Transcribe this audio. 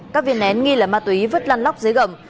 các viên nén nghi là ma túy vứt lăn lóc dưới gầm